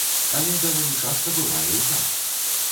Але даволі часта бывае і так.